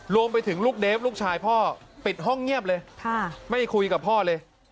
รวมไปถึงลูกเดฟลูกชายพ่อปิดห้องเงียบเลยไม่คุยกับพ่อเลย